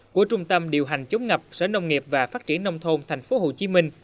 của trung tâm điều hành chống ngập sở nông nghiệp và phát triển nông thôn tp hcm